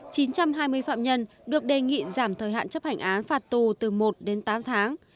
chín trăm hai mươi phạm nhân được đề nghị giảm thời hạn chấp hành án phạt tù từ một đến tám tháng